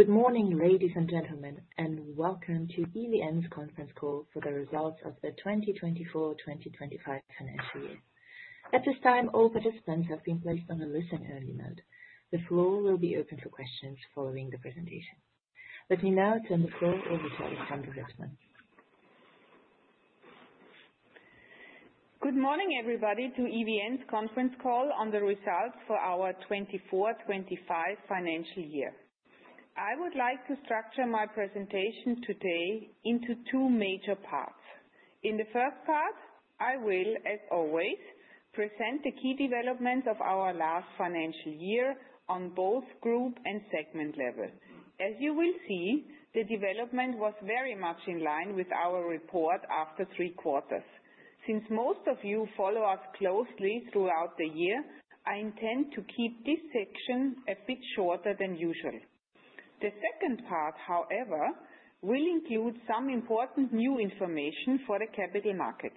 Good morning, ladies and gentlemen, and welcome to EVN's conference call for the results of the 2024-2025 financial year. At this time, all participants have been placed on a listen-only mode. The floor will be open for questions following the presentation. Let me now turn the floor over to Alexandra Wittmann. Good morning, everybody, to EVN's conference call on the results for our '24-'25 financial year. I would like to structure my presentation today into two major parts. In the first part, I will, as always, present the key developments of our last financial year on both group and segment level. As you will see, the development was very much in line with our report after three quarters. Since most of you follow us closely throughout the year, I intend to keep this section a bit shorter than usual. The second part, however, will include some important new information for the capital markets.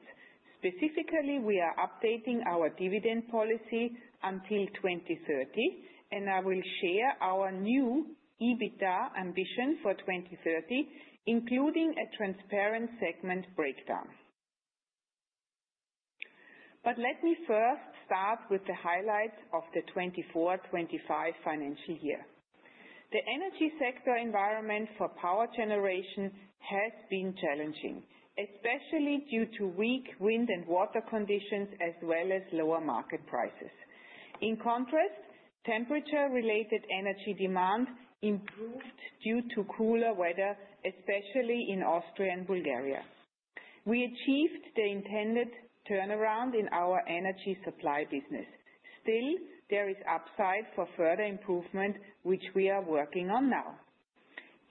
Specifically, we are updating our dividend policy until 2030, and I will share our new EBITDA ambition for 2030, including a transparent segment breakdown. But let me first start with the highlights of the '24-'25 financial year. The energy sector environment for power generation has been challenging, especially due to weak wind and water conditions, as well as lower market prices. In contrast, temperature-related energy demand improved due to cooler weather, especially in Austria and Bulgaria. We achieved the intended turnaround in our energy supply business. Still, there is upside for further improvement, which we are working on now.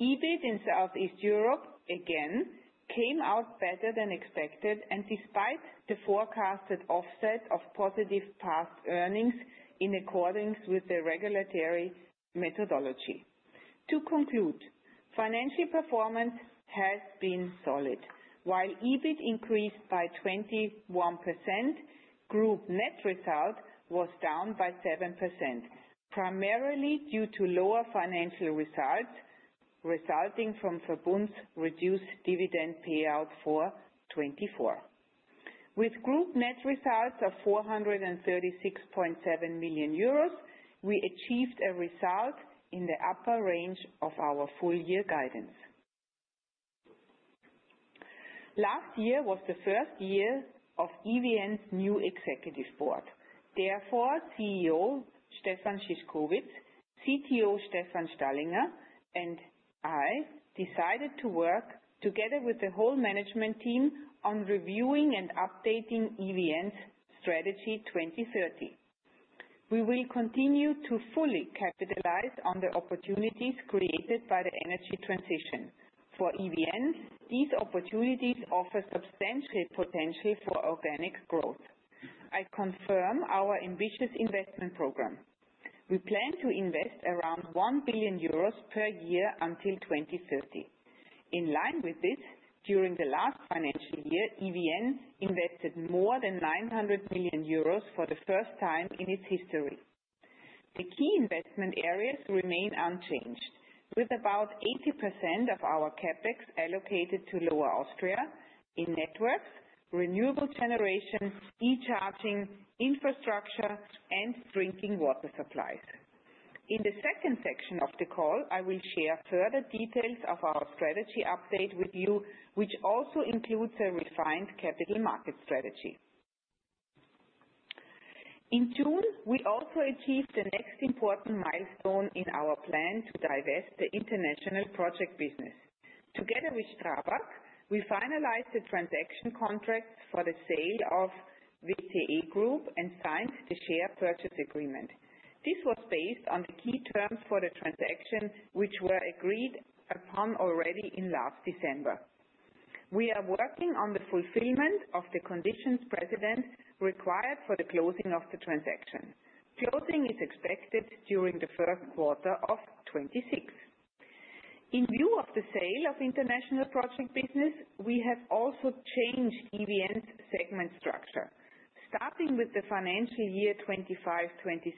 EBIT in Southeast Europe, again, came out better than expected, and despite the forecasted offset of positive past earnings in accordance with the regulatory methodology. To conclude, financial performance has been solid. While EBIT increased by 21%, group net result was down by 7%, primarily due to lower financial results resulting from Verbund's reduced dividend payout for '24. With group net results of 436.7 million euros, we achieved a result in the upper range of our full-year guidance. Last year was the first year of EVN's new executive board. Therefore, CEO Stefan Szyszkowitz, CTO Stefan Stallinger, and I decided to work together with the whole management team on reviewing and updating EVN's Strategy 2030. We will continue to fully capitalize on the opportunities created by the energy transition. For EVN, these opportunities offer substantial potential for organic growth. I confirm our ambitious investment program. We plan to invest around 1 billion euros per year until 2030. In line with this, during the last financial year, EVN invested more than 900 million euros for the first time in its history. The key investment areas remain unchanged, with about 80% of our CapEx allocated to Lower Austria in networks, renewable generation, e-charging, infrastructure, and drinking water supplies. In the second section of the call, I will share further details of our strategy update with you, which also includes a refined capital market strategy. In June, we also achieved the next important milestone in our plan to divest the international project business. Together with Strabag, we finalized the transaction contracts for the sale of WTE Group and signed the share purchase agreement. This was based on the key terms for the transaction, which were agreed upon already in last December. We are working on the fulfillment of the conditions precedent required for the closing of the transaction. Closing is expected during the first quarter of '26. In view of the sale of international project business, we have also changed EVN's segment structure. Starting with the financial year '25-'26,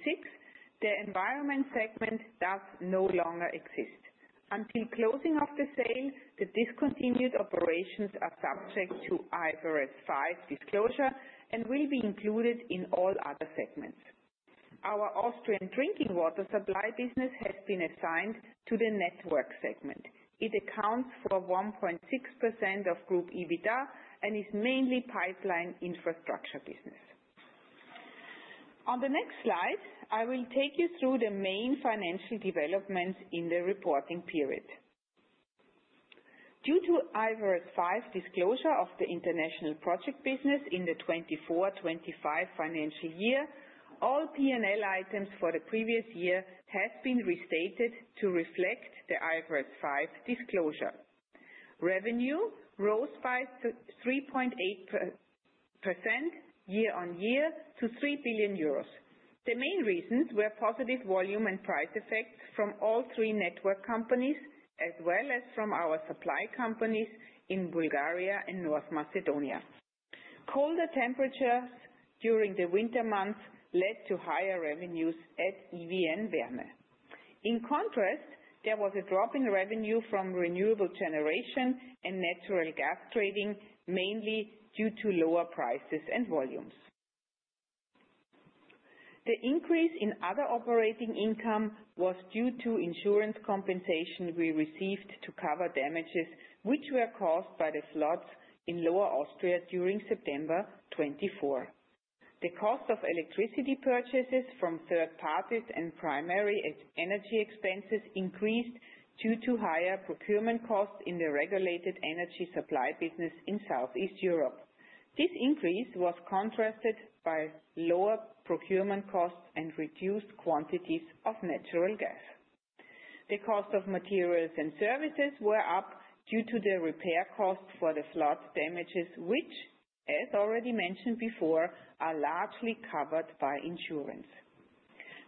the environment segment does no longer exist. Until closing of the sale, the discontinued operations are subject to IFRS 5 disclosure and will be included in all other segments. Our Austrian drinking water supply business has been assigned to the network segment. It accounts for 1.6% of group EBITDA and is mainly pipeline infrastructure business. On the next slide, I will take you through the main financial developments in the reporting period. Due to IFRS 5 disclosure of the international project business in the '24-'25 financial year, all P&L items for the previous year have been restated to reflect the IFRS 5 disclosure. Revenue rose by 3.8% year-on-year to 3 billion euros. The main reasons were positive volume and price effects from all three network companies, as well as from our supply companies in Bulgaria and North Macedonia. Colder temperatures during the winter months led to higher revenues at EVN Wärme. In contrast, there was a drop in revenue from renewable generation and natural gas trading, mainly due to lower prices and volumes. The increase in other operating income was due to insurance compensation we received to cover damages which were caused by the floods in Lower Austria during September '24. The cost of electricity purchases from third parties and primary energy expenses increased due to higher procurement costs in the regulated energy supply business in Southeast Europe. This increase was contrasted by lower procurement costs and reduced quantities of natural gas. The cost of materials and services were up due to the repair costs for the flood damages, which, as already mentioned before, are largely covered by insurance.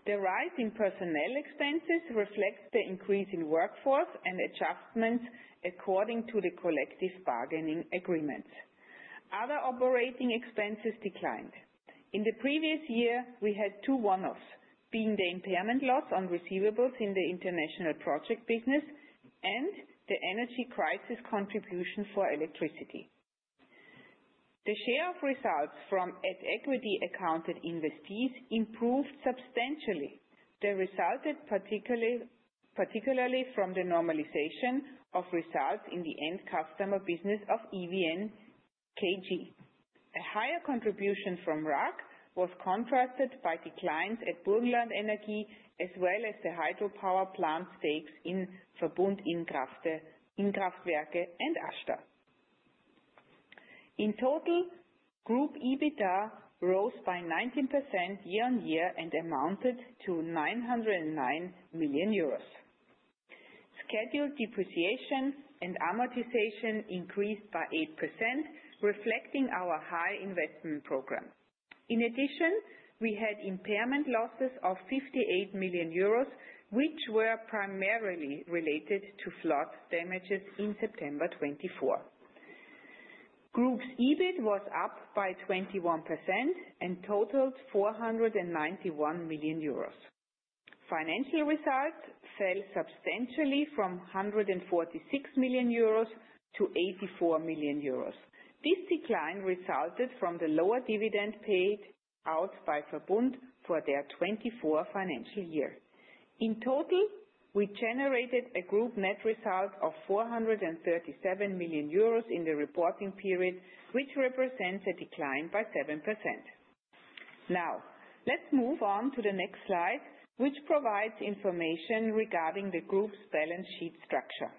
The rise in personnel expenses reflects the increase in workforce and adjustments according to the collective bargaining agreements. Other operating expenses declined. In the previous year, we had two one-offs, being the impairment loss on receivables in the international project business and the energy crisis contribution for electricity. The share of results from at equity accounted investees improved substantially. This resulted particularly from the normalization of results in the end customer business of EVN KG. A higher contribution from RAB was contrasted by declines at Burgenland Energie, as well as the hydropower plant stakes in Verbund, Innkraftwerke, and Ashta. In total, group EBITDA rose by 19% year-on-year and amounted to 909 million euros. Scheduled depreciation and amortization increased by 8%, reflecting our high investment program. In addition, we had impairment losses of 58 million euros, which were primarily related to flood damages in September '24. Group's EBIT was up by 21% and totaled 491 million euros. Financial results fell substantially from 146 million-84 million euros. This decline resulted from the lower dividend paid out by Verbund for their '24 financial year. In total, we generated a group net result of 437 million euros in the reporting period, which represents a decline by 7%. Now, let's move on to the next slide, which provides information regarding the group's balance sheet structure.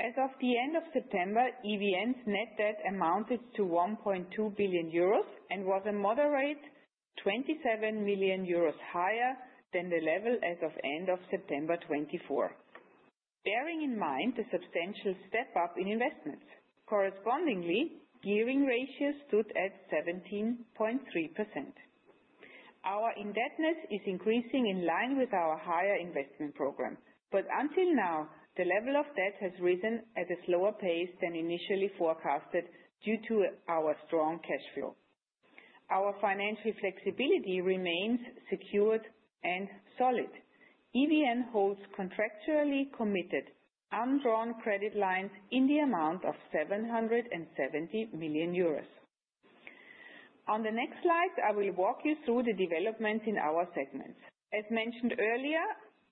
As of the end of September, EVN's net debt amounted to 1.2 billion euros and was a moderate 27 million euros higher than the level as of end of September '24, bearing in mind the substantial step-up in investments. Correspondingly, gearing ratio stood at 17.3%. Our indebtedness is increasing in line with our higher investment program, but until now, the level of debt has risen at a slower pace than initially forecasted due to our strong cash flow. Our financial flexibility remains secured and solid. EVN holds contractually committed undrawn credit lines in the amount of 770 million euros. On the next slide, I will walk you through the developments in our segments. As mentioned earlier,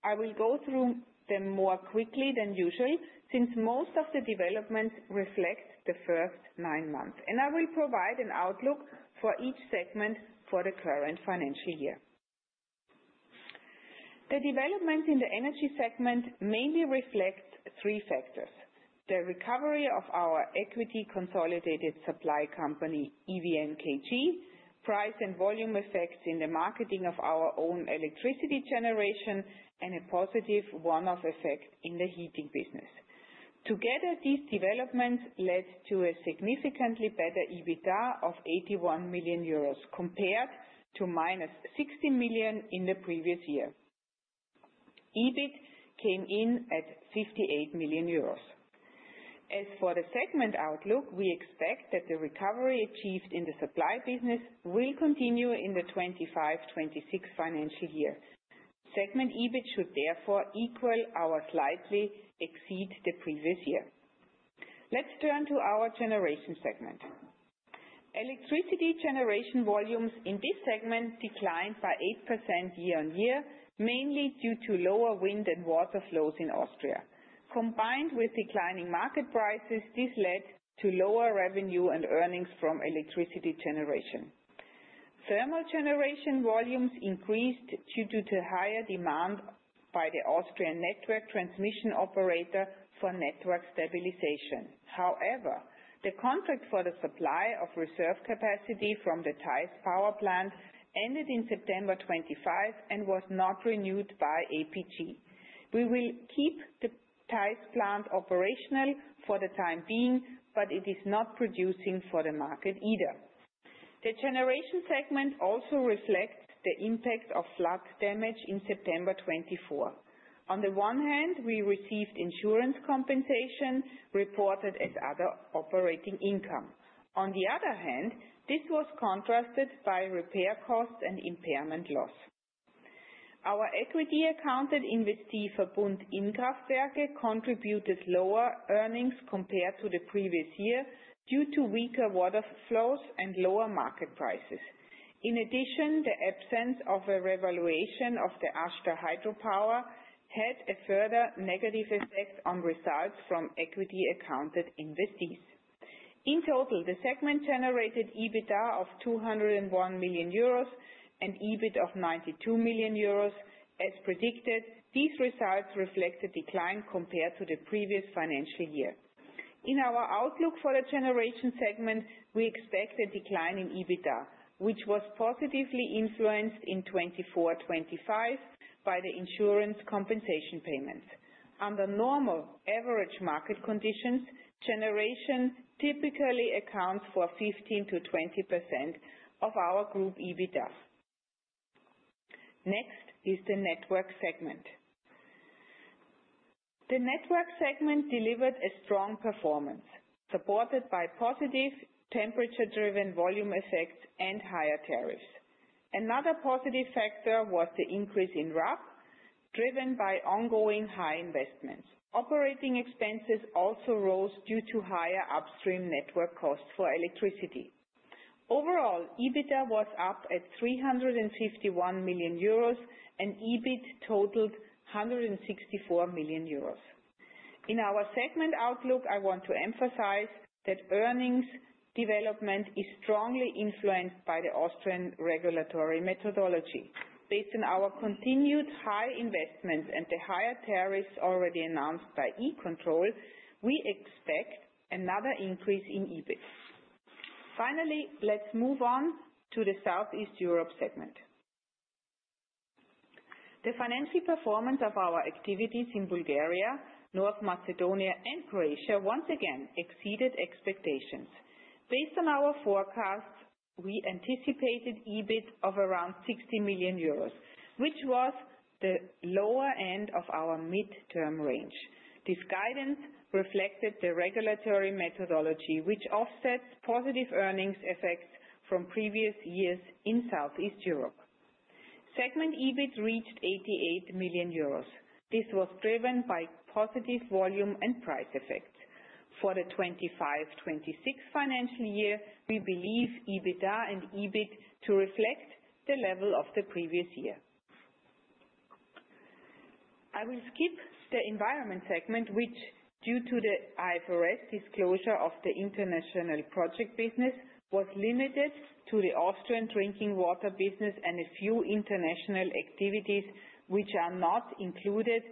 I will go through them more quickly than usual since most of the developments reflect the first nine months, and I will provide an outlook for each segment for the current financial year. The developments in the energy segment mainly reflect three factors: the recovery of our equity-consolidated supply company, EVN KG, price and volume effects in the marketing of our own electricity generation, and a positive one-off effect in the heating business. Together, these developments led to a significantly better EBITDA of 81 million euros compared to -60 million in the previous year. EBIT came in at 58 million euros. As for the segment outlook, we expect that the recovery achieved in the supply business will continue in the '25-'26 financial year. Segment EBIT should therefore equal or slightly exceed the previous year. Let's turn to our generation segment. Electricity generation volumes in this segment declined by 8% year-on-year, mainly due to lower wind and water flows in Austria. Combined with declining market prices, this led to lower revenue and earnings from electricity generation. Thermal generation volumes increased due to higher demand by the Austrian network transmission operator for network stabilization. However, the contract for the supply of reserve capacity from the Theiss power plant ended in September 2025 and was not renewed by APG. We will keep the Theiss plant operational for the time being, but it is not producing for the market either. The generation segment also reflects the impact of flood damage in September '24. On the one hand, we received insurance compensation reported as other operating income. On the other hand, this was contrasted by repair costs and impairment loss. Our equity-accounted investee Verbund, Innkraftwerke, contributed lower earnings compared to the previous year due to weaker water flows and lower market prices. In addition, the absence of a revaluation of the ASTA hydropower had a further negative effect on results from equity-accounted investees. In total, the segment generated EBITDA of 201 million euros and EBIT of 92 million euros. As predicted, these results reflect a decline compared to the previous financial year. In our outlook for the generation segment, we expect a decline in EBITDA, which was positively influenced in '24-'25 by the insurance compensation payments. Under normal average market conditions, generation typically accounts for 15%-20% of our group EBITDA. Next is the network segment. The network segment delivered a strong performance, supported by positive temperature-driven volume effects and higher tariffs. Another positive factor was the increase in RAK, driven by ongoing high investments. Operating expenses also rose due to higher upstream network costs for electricity. Overall, EBITDA was up at 351 million euros and EBIT totaled 164 million euros. In our segment outlook, I want to emphasize that earnings development is strongly influenced by the Austrian regulatory methodology. Based on our continued high investments and the higher tariffs already announced by E-Control, we expect another increase in EBIT. Finally, let's move on to the Southeast Europe segment. The financial performance of our activities in Bulgaria, North Macedonia, and Croatia once again exceeded expectations. Based on our forecasts, we anticipated EBIT of around 60 million euros, which was the lower end of our midterm range. This guidance reflected the regulatory methodology, which offsets positive earnings effects from previous years in Southeast Europe. Segment EBIT reached 88 million euros. This was driven by positive volume and price effects. For the '25-'26 financial year, we believe EBITDA and EBIT to reflect the level of the previous year. I will skip the environment segment, which, due to the IFRS disclosure of the international project business, was limited to the Austrian drinking water business and a few international activities, which are not included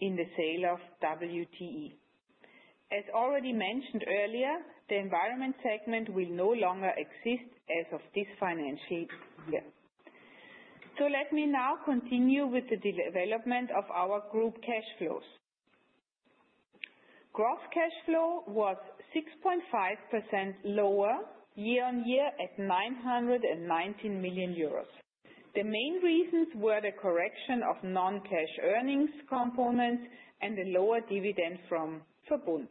in the sale of WTE. As already mentioned earlier, the environment segment will no longer exist as of this financial year. So let me now continue with the development of our group cash flows. Gross cash flow was 6.5% lower year-on-year at 919 million euros. The main reasons were the correction of non-cash earnings components and the lower dividend from Verbund.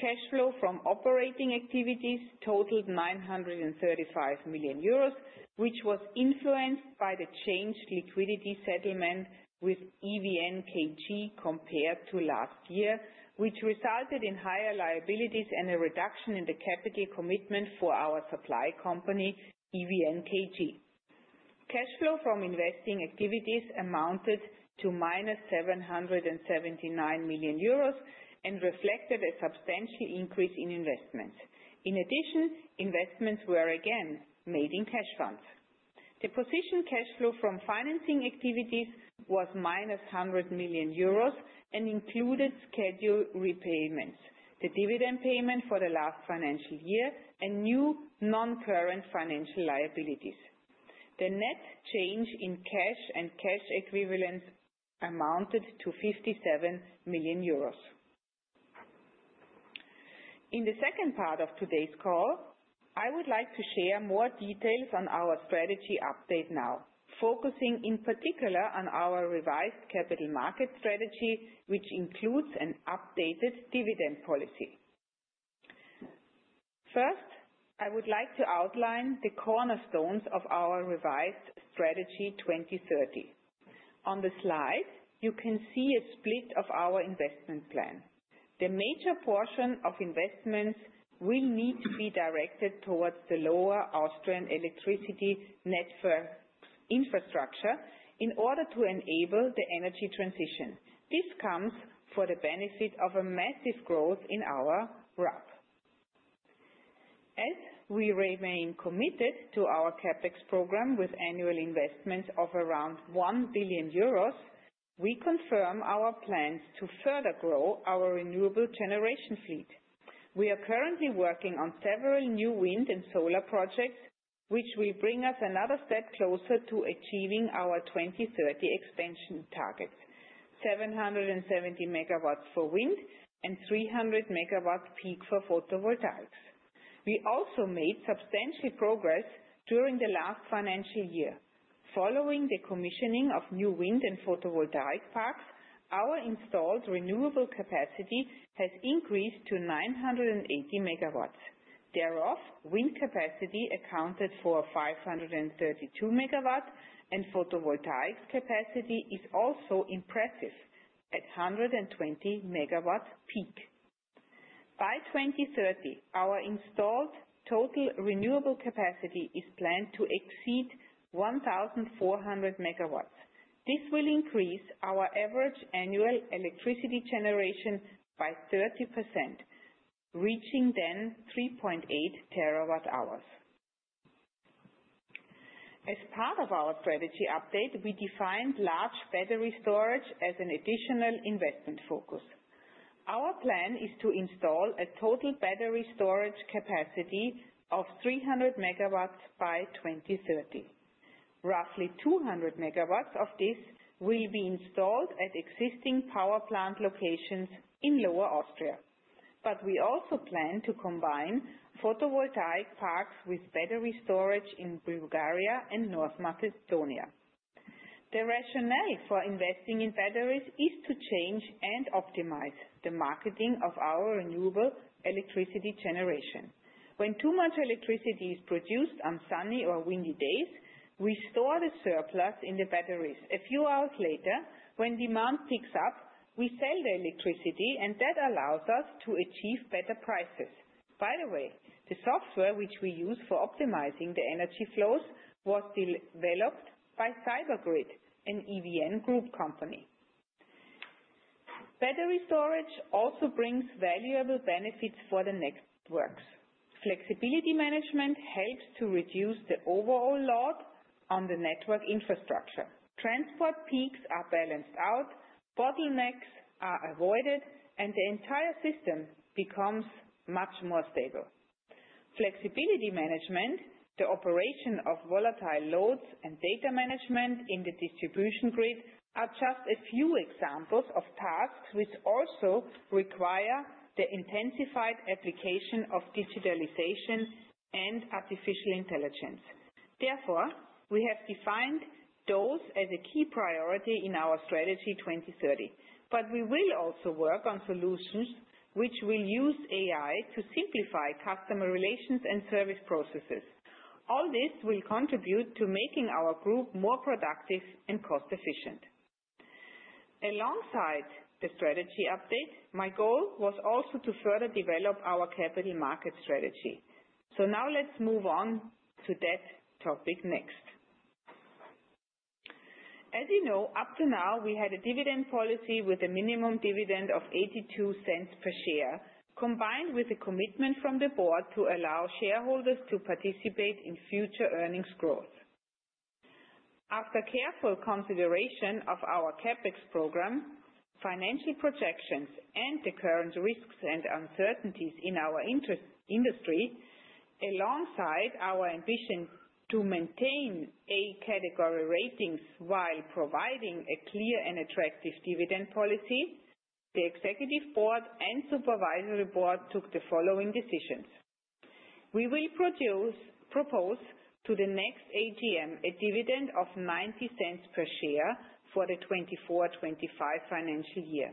Cash flow from operating activities totaled 935 million euros, which was influenced by the changed liquidity settlement with EVN KG compared to last year, which resulted in higher liabilities and a reduction in the capital commitment for our supply company, EVN KG. Cash flow from investing activities amounted to minus 779 million euros and reflected a substantial increase in investments. In addition, investments were again made in cash funds. The position cash flow from financing activities was minus 100 million euros and included scheduled repayments: the dividend payment for the last financial year and new non-current financial liabilities. The net change in cash and cash equivalents amounted to 57 million euros. In the second part of today's call, I would like to share more details on our strategy update now, focusing in particular on our revised capital market strategy, which includes an updated dividend policy. First, I would like to outline the cornerstones of our revised Strategy 2030. On the slide, you can see a split of our investment plan. The major portion of investments will need to be directed towards the Lower Austrian electricity network infrastructure in order to enable the energy transition. This comes for the benefit of a massive growth in our RAK. As we remain committed to our CapEx program with annual investments of around 1 billion euros, we confirm our plans to further grow our renewable generation fleet. We are currently working on several new wind and solar projects, which will bring us another step closer to achieving our 2030 expansion targets: 770 megawatts for wind and 300 megawatts peak for photovoltaics. We also made substantial progress during the last financial year. Following the commissioning of new wind and photovoltaic parks, our installed renewable capacity has increased to 980 megawatts. Thereof, wind capacity accounted for 532 megawatts, and photovoltaics capacity is also impressive at 120 megawatts peak. By 2030, our installed total renewable capacity is planned to exceed 1,400 megawatts. This will increase our average annual electricity generation by 30%, reaching then 3.8 terawatt-hours. As part of our strategy update, we defined large battery storage as an additional investment focus. Our plan is to install a total battery storage capacity of 300 megawatts by 2030. Roughly 200 megawatts of this will be installed at existing power plant locations in Lower Austria. But we also plan to combine photovoltaic parks with battery storage in Bulgaria and North Macedonia. The rationale for investing in batteries is to change and optimize the marketing of our renewable electricity generation. When too much electricity is produced on sunny or windy days, we store the surplus in the batteries. A few hours later, when demand picks up, we sell the electricity, and that allows us to achieve better prices. By the way, the software which we use for optimizing the energy flows was developed by CyberGrid, an EVN Group company. Battery storage also brings valuable benefits for the networks. Flexibility management helps to reduce the overall load on the network infrastructure. Transport peaks are balanced out, bottlenecks are avoided, and the entire system becomes much more stable. Flexibility management, the operation of volatile loads, and data management in the distribution grid are just a few examples of tasks which also require the intensified application of digitalization and artificial intelligence. Therefore, we have defined those as a key priority in our Strategy 2030. But we will also work on solutions which will use AI to simplify customer relations and service processes. All this will contribute to making our group more productive and cost-efficient. Alongside the strategy update, my goal was also to further develop our capital market strategy. So now let's move on to that topic next. As you know, up to now, we had a dividend policy with a minimum dividend of 0.82 per share, combined with a commitment from the board to allow shareholders to participate in future earnings growth. After careful consideration of our CapEx program, financial projections, and the current risks and uncertainties in our industry, alongside our ambition to maintain A category ratings while providing a clear and attractive dividend policy, the executive board and supervisory board took the following decisions. We will propose to the next AGM a dividend of 0.90 per share for the '24-'25 financial year.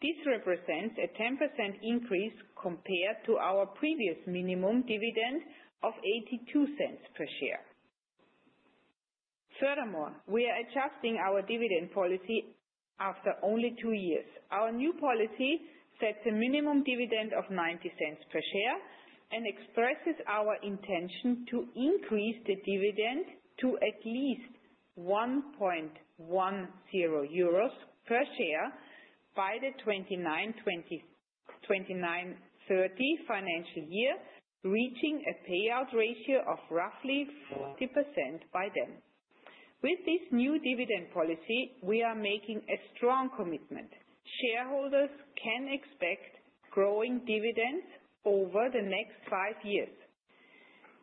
This represents a 10% increase compared to our previous minimum dividend of 0.82 per share. Furthermore, we are adjusting our dividend policy after only two years. Our new policy sets a minimum dividend of 0.90 per share and expresses our intention to increase the dividend to at least 1.10 euros per share by the '29-'30 financial year, reaching a payout ratio of roughly 40% by then. With this new dividend policy, we are making a strong commitment. Shareholders can expect growing dividends over the next five years.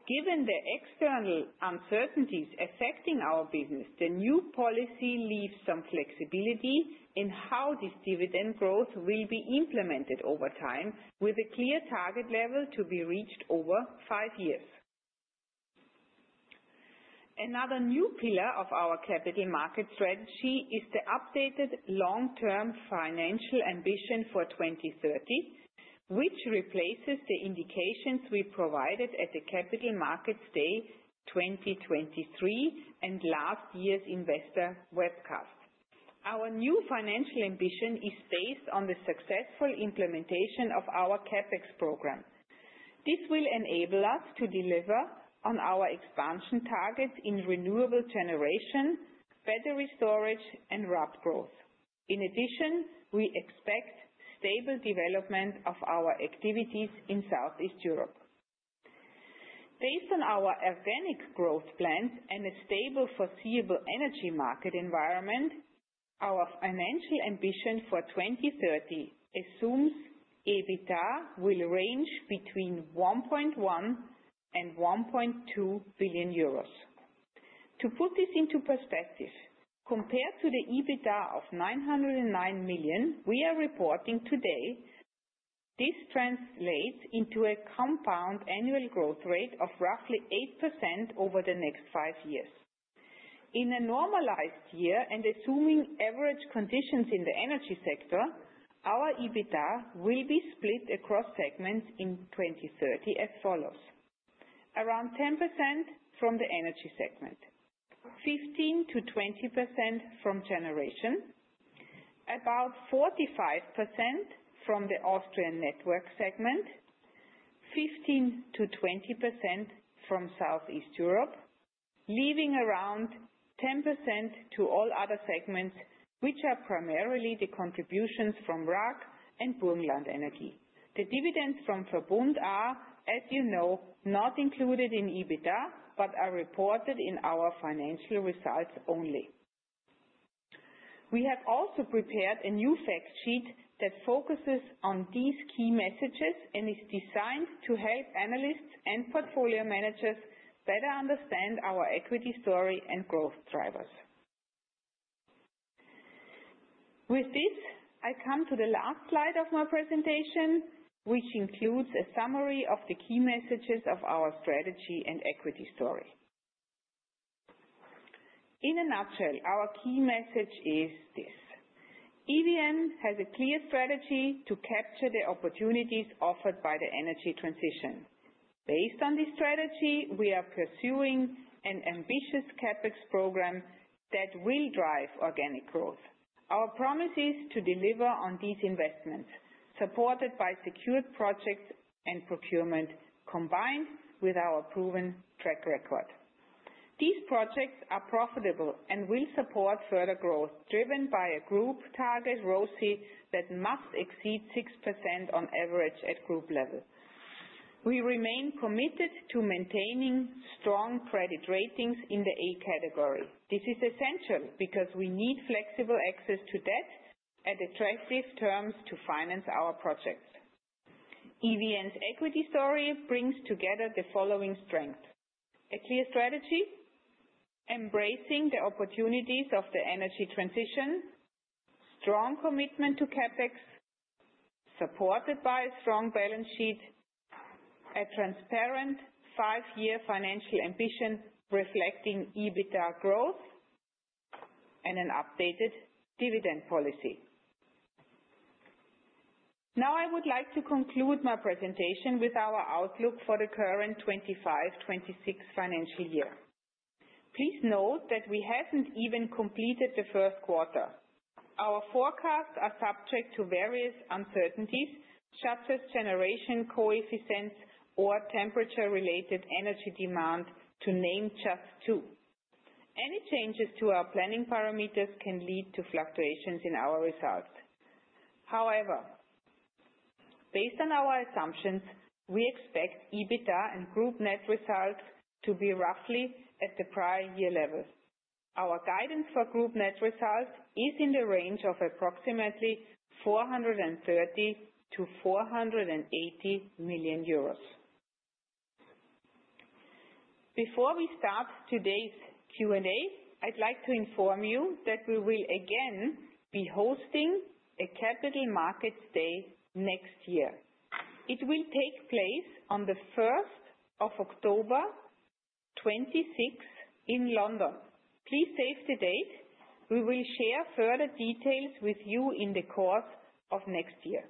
Given the external uncertainties affecting our business, the new policy leaves some flexibility in how this dividend growth will be implemented over time, with a clear target level to be reached over five years. Another new pillar of our capital market strategy is the updated long-term financial ambition for 2030, which replaces the indications we provided at the Capital Markets Day 2023 and last year's investor webcast. Our new financial ambition is based on the successful implementation of our CapEx program. This will enable us to deliver on our expansion targets in renewable generation, battery storage, and RAK growth. In addition, we expect stable development of our activities in Southeast Europe. Based on our organic growth plans and a stable foreseeable energy market environment, our financial ambition for 2030 assumes EBITDA will range between 1.1 billion and 1.2 billion euros. To put this into perspective, compared to the EBITDA of 909 million we are reporting today, this translates into a compound annual growth rate of roughly 8% over the next five years. In a normalized year and assuming average conditions in the energy sector, our EBITDA will be split across segments in 2030 as follows: around 10% from the energy segment, 15%-20% from generation, about 45% from the Austrian network segment, 15%-20% from Southeast Europe, leaving around 10% to all other segments, which are primarily the contributions from RAK and Burgenland Energy. The dividends from Verbund are, as you know, not included in EBITDA, but are reported in our financial results only. We have also prepared a new fact sheet that focuses on these key messages and is designed to help analysts and portfolio managers better understand our equity story and growth drivers. With this, I come to the last slide of my presentation, which includes a summary of the key messages of our strategy and equity story. In a nutshell, our key message is this: EVN has a clear strategy to capture the opportunities offered by the energy transition. Based on this strategy, we are pursuing an ambitious CapEx program that will drive organic growth. Our promise is to deliver on these investments, supported by secured projects and procurement combined with our proven track record. These projects are profitable and will support further growth driven by a group target ROCE that must exceed 6% on average at group level. We remain committed to maintaining strong credit ratings in the A category. This is essential because we need flexible access to debt at attractive terms to finance our projects. EVN's equity story brings together the following strengths: a clear strategy, embracing the opportunities of the energy transition, a strong commitment to CapEx, supported by a strong balance sheet, a transparent five-year financial ambition reflecting EBITDA growth, and an updated dividend policy. Now, I would like to conclude my presentation with our outlook for the current '25-'26 financial year. Please note that we haven't even completed the first quarter. Our forecasts are subject to various uncertainties, such as generation coefficients or temperature-related energy demand, to name just two. Any changes to our planning parameters can lead to fluctuations in our results. However, based on our assumptions, we expect EBITDA and group net results to be roughly at the prior year level. Our guidance for group net results is in the range of approximately 430 million-480 million euros. Before we start today's Q&A, I'd like to inform you that we will again be hosting a Capital Markets Day next year. It will take place on the 1st of October, '26, in London. Please save the date. We will share further details with you in the course of next year.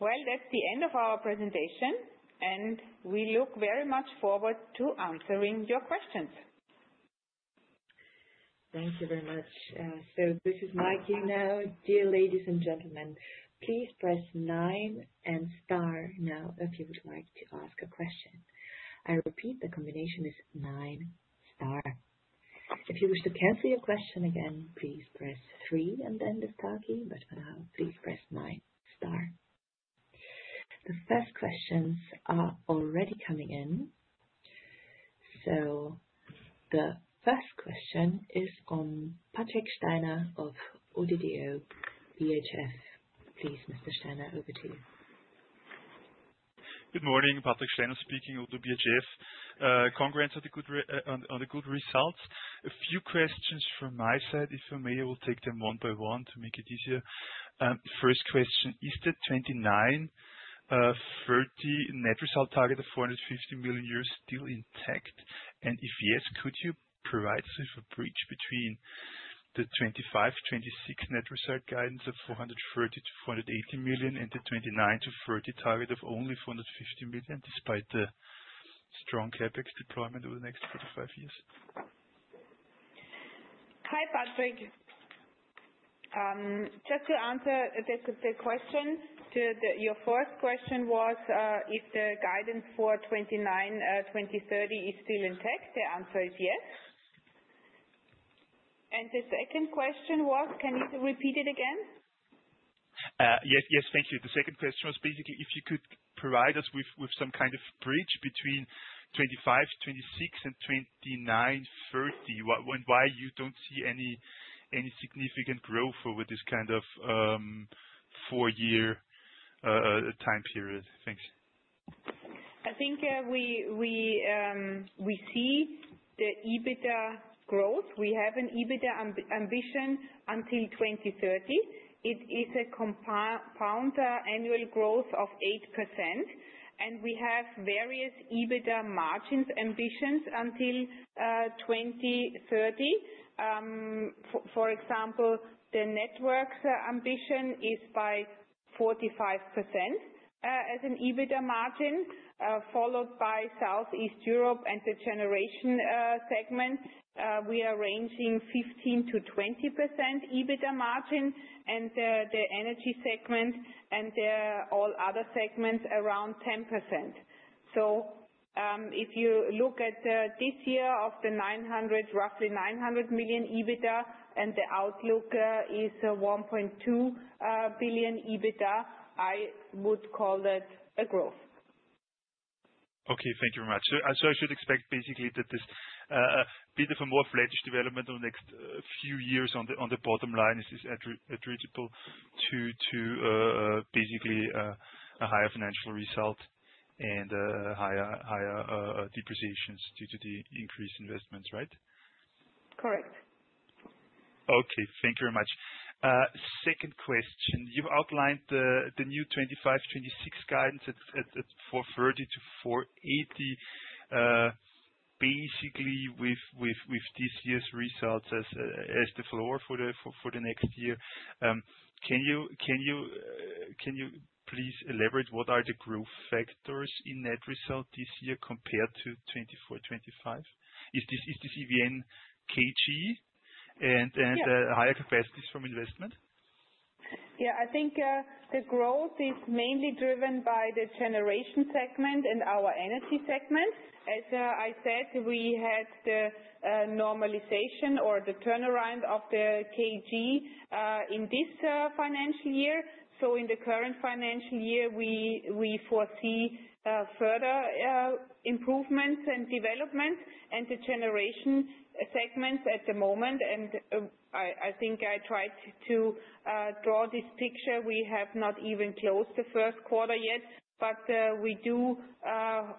Well, that's the end of our presentation, and we look very much forward to answering your questions. Thank you very much. So this is my key now. Dear ladies and gentlemen, please press 9 and star now if you would like to ask a question. I repeat, the combination is 9 star. If you wish to cancel your question again, please press 3 and then the star key, but for now, please press 9 star. The first questions are already coming in. So the first question is on Patrick Steiner of ODDO BHF. Please, Mr. Steiner, over to you. Good morning. Patrick Steiner speaking of ODDO BHF. Congrats on the good results. A few questions from my side. If I may, I will take them one by one to make it easier. First question: Is the '29-'30 net result target of 450 million euros still intact? And if yes, could you provide us with a bridge between the 2025-2026 net result guidance of 430-480 million and the '29-'30 target of only 450 million, despite the strong CapEx deployment over the next 45 years? Hi, Patrick. Just to answer the question, your first question was if the guidance for '29-'30 is still intact. The answer is yes. And the second question was, can you repeat it again? Yes, yes, thank you. The second question was basically if you could provide us with some kind of bridge between 2025-2026 and 2029-2030, and why you don't see any significant growth over this kind of four-year time period. Thanks. I think we see the EBITDA growth. We have an EBITDA ambition until 2030. It is a compound annual growth of 8%, and we have various EBITDA margins ambitions until 2030. For example, the network's ambition is by 45% as an EBITDA margin, followed by Southeast Europe and the generation segment. We are ranging 15%-20% EBITDA margin, and the energy segment and all other segments around 10%. So if you look at this year of the roughly 900 million EBITDA and the outlook is 1.2 billion EBITDA, I would call that a growth. Okay, thank you very much. So I should expect basically that this bit of a more flattish development over the next few years on the bottom line is attributable to basically a higher financial result and higher depreciations due to the increased investments, right? Correct. Okay, thank you very much. Second question: You've outlined the new '25-'26 guidance at 430-480, basically with this year's results as the floor for the next year. Can you please elaborate what are the growth factors in net result this year compared to '24-'25? Is this EVN KG and higher capacities from investment? Yeah, I think the growth is mainly driven by the generation segment and our energy segment. As I said, we had the normalization or the turnaround of the KG in this financial year. So in the current financial year, we foresee further improvements and development and the generation segments at the moment. I think I tried to draw this picture. We have not even closed the first quarter yet, but we do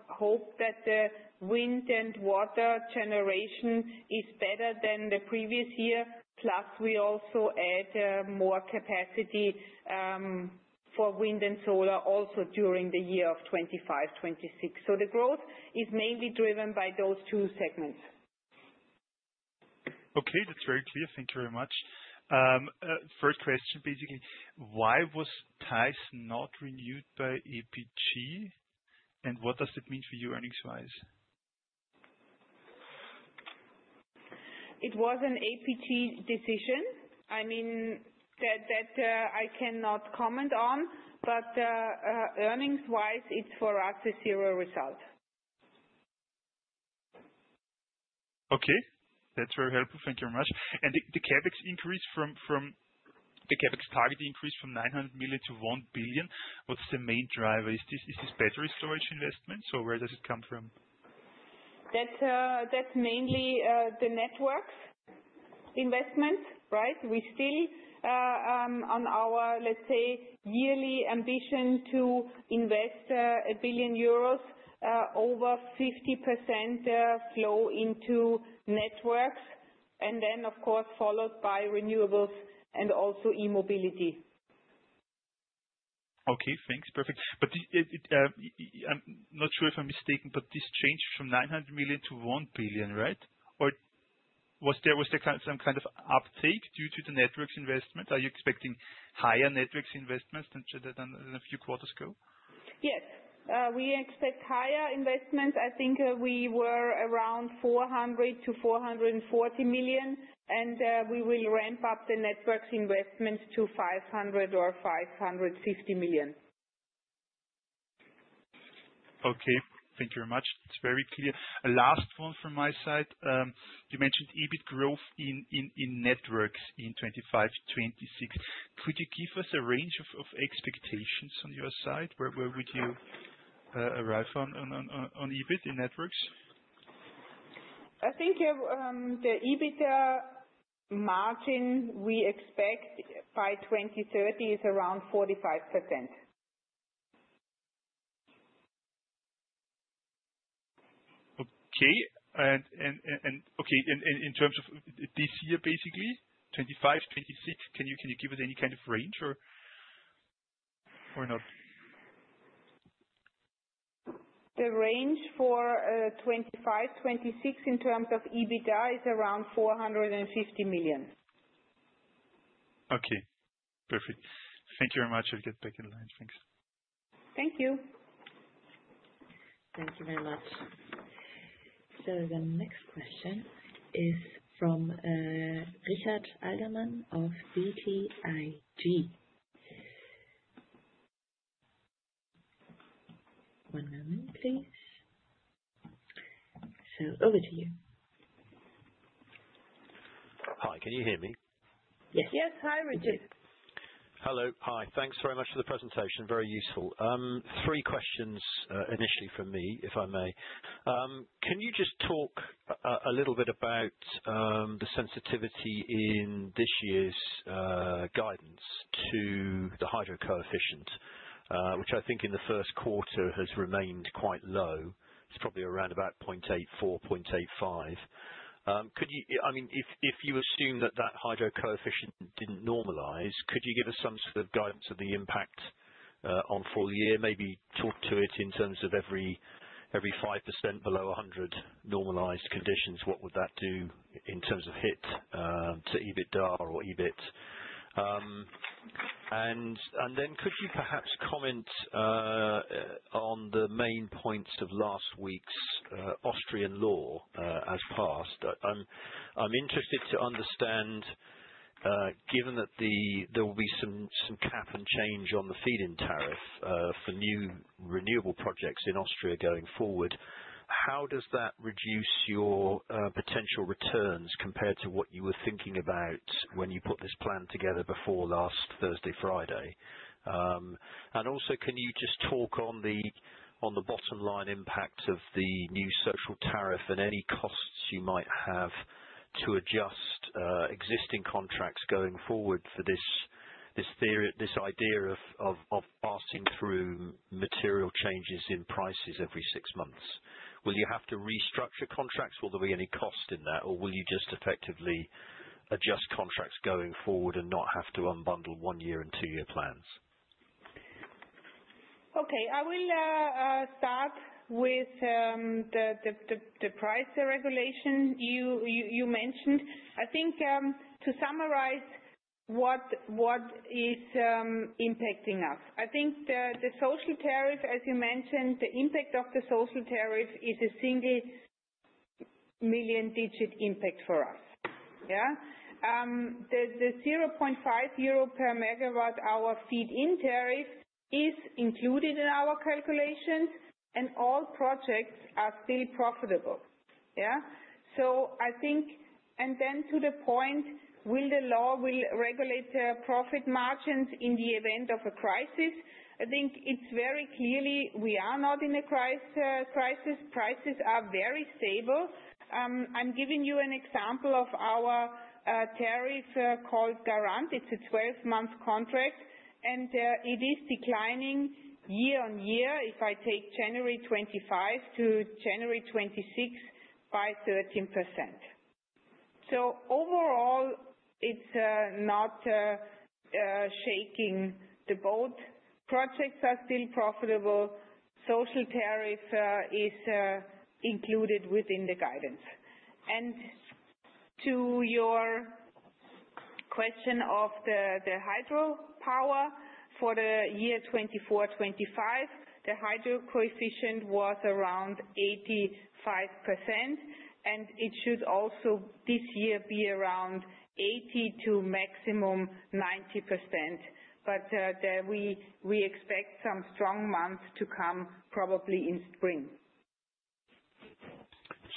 hope that the wind and water generation is better than the previous year. Plus, we also add more capacity for wind and solar also during the year of '25-'26. So the growth is mainly driven by those two segments. Okay, that's very clear. Thank you very much. First question, basically: Why was Theiss not renewed by APG, and what does it mean for you earnings-wise? It was an APG decision. I mean, that I cannot comment on, but earnings-wise, it's for us a zero result. Okay, that's very helpful. Thank you very much. The CapEx increase from the CapEx target increase from 900 million to 1 billion, what's the main driver? Is this battery storage investment? So where does it come from? That's mainly the network investment, right? We still, on our, let's say, yearly ambition to invest 1 billion euros, over 50% flow into networks, and then, of course, followed by renewables and also e-mobility. Okay, thanks. Perfect. But I'm not sure if I'm mistaken, but this change from 900 million to 1 billion, right? Or was there some kind of uptake due to the network investment? Are you expecting higher network investments than a few quarters ago? Yes, we expect higher investments. I think we were around 400 million-440 million, and we will ramp up the network investments to 500 or 550 million. Okay, thank you very much. It's very clear. Last one from my side. You mentioned EBIT growth in networks in '25-'26. Could you give us a range of expectations on your side? Where would you arrive on EBIT in networks? I think the EBITDA margin we expect by 2030 is around 45%. Okay. And okay, in terms of this year, basically, '25-'26, can you give us any kind of range or not? The range for '25-'26 in terms of EBITDA is around 450 million. Okay, perfect. Thank you very much. I'll get back in line. Thanks. Thank you. Thank you very much. So the next question is from Richard Alderman of BTIG. One moment, please. So over to you. Hi, can you hear me? Yes. Yes, hi, Richard. Hello. Hi. Thanks very much for the presentation. Very useful. Three questions initially from me, if I may. Can you just talk a little bit about the sensitivity in this year's guidance to the hydro coefficient, which I think in the first quarter has remained quite low? It's probably around about 0.84, 0.85. I mean, if you assume that that hydro coefficient didn't normalize, could you give us some sort of guidance of the impact on for the year? Maybe talk to it in terms of every 5% below 100 normalized conditions, what would that do in terms of hit to EBITDA or EBIT? And then could you perhaps comment on the main points of last week's Austrian law as passed? I'm interested to understand, given that there will be some cap and change on the feed-in tariff for new renewable projects in Austria going forward, how does that reduce your potential returns compared to what you were thinking about when you put this plan together before last Thursday, Friday? And also, can you just talk on the bottom-line impact of the new social tariff and any costs you might have to adjust existing contracts going forward for this idea of passing through material changes in prices every six months? Will you have to restructure contracts? Will there be any cost in that, or will you just effectively adjust contracts going forward and not have to unbundle one-year and two-year plans? Okay, I will start with the price regulation you mentioned. I think to summarize what is impacting us. I think the social tariff, as you mentioned, the impact of the social tariff is a single-digit million impact for us, yeah? The 0.5 euro per megawatt-hour feed-in tariff is included in our calculations, and all projects are still profitable, yeah? So I think, and then to the point, will the law regulate profit margins in the event of a crisis? I think it's very clearly we are not in a crisis. Prices are very stable. I'm giving you an example of our tariff called Garant. It's a 12-month contract, and it is declining year on year, if I take January '25-January '26 by 13%. So overall, it's not shaking the boat. Projects are still profitable. Social tariff is included within the guidance. To your question of the hydropower for the year '24-'25, the hydro coefficient was around 85%, and it should also this year be around 80%-90%. But we expect some strong months to come probably in spring.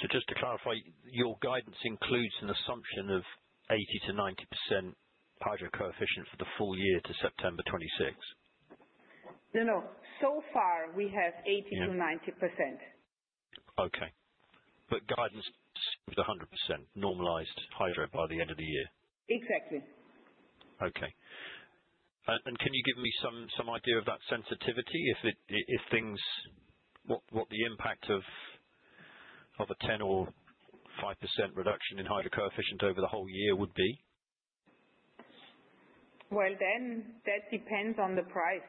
So just to clarify, your guidance includes an assumption of 80%-90% hydro coefficient for the full year to September 2026? No, no. So far, we have 80%-90%. Okay. But guidance assumes 100% normalized hydro by the end of the year? Exactly. Okay. Can you give me some idea of that sensitivity, what the impact of a 10% or 5% reduction in hydro coefficient over the whole year would be? Well, then that depends on the price.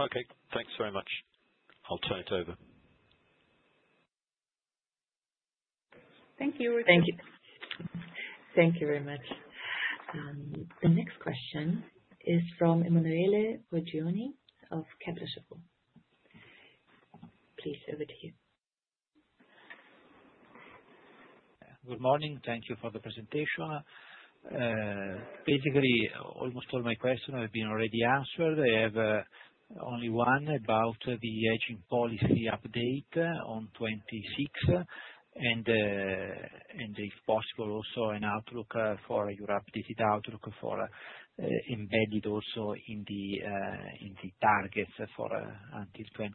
Okay, thanks very much. I'll turn it over. Thank you, Richard. Thank you. Thank you very much. The next question is from Emanuele Oggioni of Kepler Cheuvreux. Please, over to you. Good morning. Thank you for the presentation. Basically, almost all my questions have been already answered. I have only one about the hedging policy update on '26, and if possible, also an updated outlook for EBITDA also in the targets until '29-'30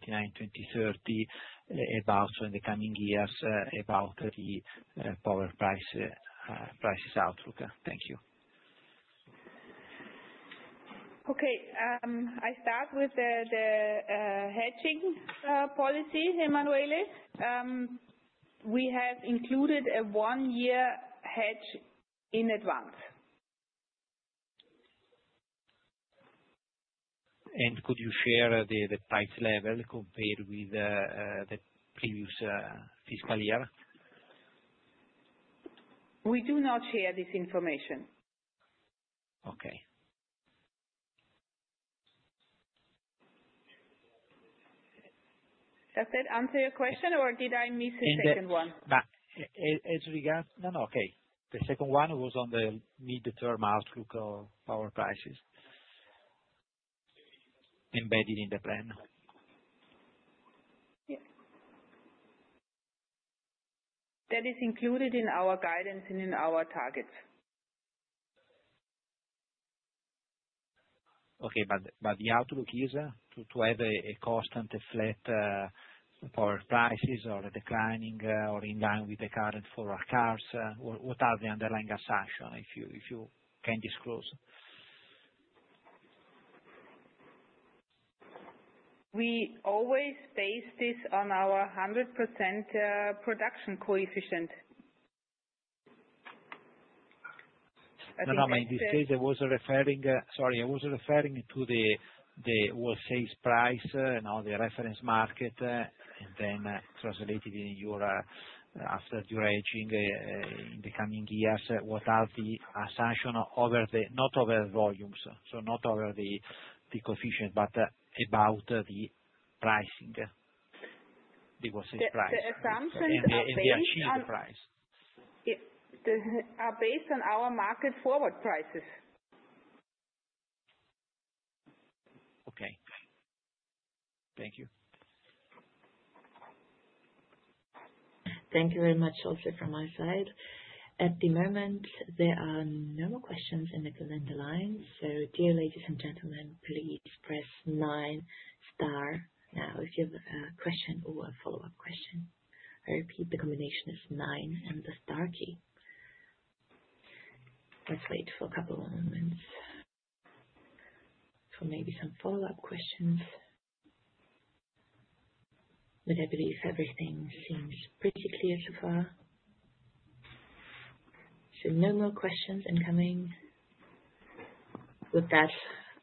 in the coming years about the power prices outlook. Thank you. Okay, I start with the hedging policy, Emanuele. We have included a one-year hedge in advance. Could you share the price level compared with the previous fiscal year? We do not share this information. Okay. Does that answer your question, or did I miss a second one? No, no. Okay. The second one was on the mid-term outlook of power prices embedded in the plan. That is included in our guidance and in our targets. Okay, but the outlook is to have constant flat power prices or declining or in line with the current forecast. What are the underlying assumptions, if you can disclose? We always base this on our 100% hydro coefficient. In this case, I was referring - sorry, I was referring to the wholesale price and the reference market, and then translated into your forecasting in the coming years. What are the assumptions over the, not over volumes, so not over the coefficient, but about the pricing, the oil sales price? The assumptions are based on our market forward prices. Okay. Thank you. Thank you very much also from my side. At the moment, there are no more questions in the call-in line. So dear ladies and gentlemen, please press 9, star now if you have a question or a follow-up question. I repeat, the combination is 9 and the star key. Let's wait for a couple of moments for maybe some follow-up questions. But I believe everything seems pretty clear so far. So no more questions incoming. With that,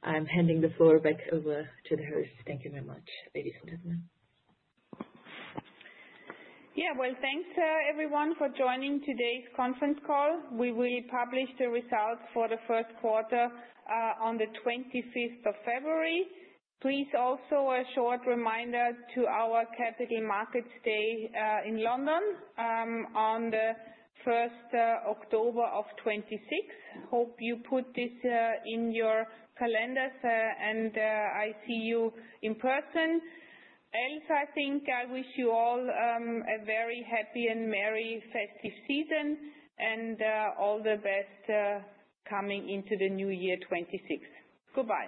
I'm handing the floor back over to the host. Thank you very much, ladies and gentlemen. Yeah, well, thanks everyone for joining today's conference call. We will publish the results for the first quarter on the 25th of February. Please, also a short reminder to our Capital Markets Day in London on the 1st of October of '26. Hope you put this in your calendars, and I see you in person. Else, I think I wish you all a very happy and merry festive season and all the best coming into the new year '26. Goodbye.